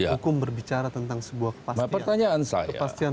hukum berbicara tentang sebuah kepastian kepastian